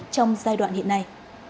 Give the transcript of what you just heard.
trong giai đoạn hiện nay